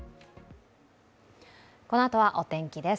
このあとはお天気です。